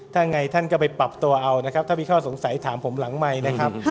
ถ้าไงท่านก็ไปปรับตัวเอานะครับถ้ามีข้อสงสัยถามผมหลังไมค์นะครับ